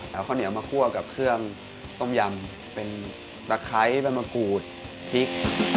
เอาข้าวเหนียวมาคั่วกับเครื่องต้มยำเป็นตะไคร้เป็นมะกรูดพริก